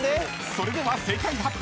［それでは正解発表］